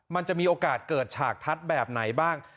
มันจะมีโอกาสเกิดฉากทัศน์แบบไหนบ้าง